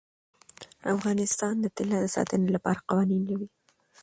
افغانستان د طلا د ساتنې لپاره قوانین لري.